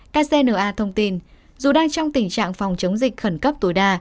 kcna thông tin dù đang trong tình trạng phòng chống dịch khẩn cấp tối đa